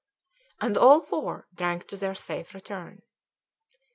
And all four drank to their safe return.